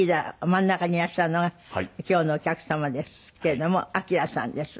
真ん中にいらっしゃるのが今日のお客様ですけれどもＡＫＩＲＡさんです。